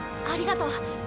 ありがとう。